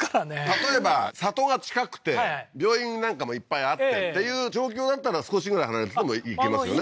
例えば里が近くて病院なんかもいっぱいあってっていう状況だったら少しぐらい離れててもいけますよね？